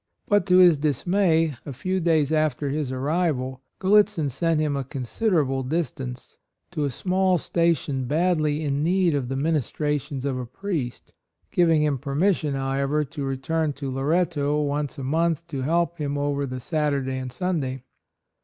But, to his dismay, a few days after his arrival Gal AND MOTHER. 117 litzin sent him a considerable distance, to a small station badlv in need of the ministra tions of a priest; giving him permission, however, to return to Loretto once a month to help him over the Saturday and Sunday.